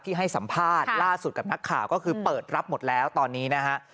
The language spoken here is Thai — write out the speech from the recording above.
ให้สัมภาษณ์ล่าสุดกับนักข่าวก็คือเปิดรับหมดแล้วตอนนี้นะฮะ